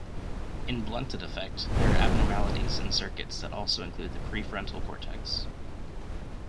In blunted affect, there are abnormalities in circuits that also include the prefrontal cortex.